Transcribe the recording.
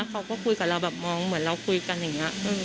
เขาก็คุยกับเราแบบมองเหมือนเราคุยกันอย่างนี้